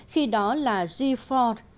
khi đó là g ford